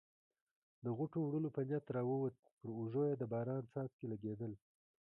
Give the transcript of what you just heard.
د غوټو وړلو په نیت راووت، پر اوږو یې د باران څاڅکي لګېدل.